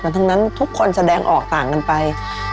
ทั้งนั้นทุกคนแสดงออกต่างกันไป